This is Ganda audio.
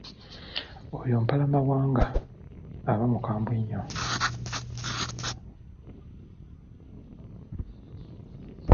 Oyo Mpalamawanga aba mukambwe nnyo.